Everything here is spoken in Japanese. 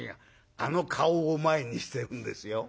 あの顔を前にしてるんですよ。